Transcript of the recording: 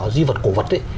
di vật cổ vật ấy